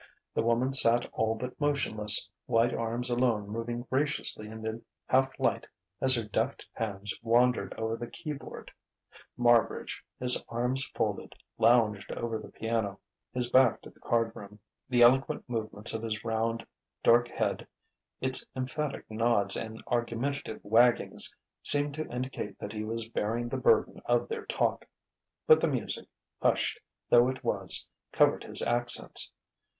The woman sat all but motionless, white arms alone moving graciously in the half light as her deft hands wandered over the key board. Marbridge, his arms folded, lounged over the piano, his back to the card room. The eloquent movements of his round, dark head, its emphatic nods and argumentative waggings, seemed to indicate that he was bearing the burden of their talk; but the music, hushed though it was, covered his accents.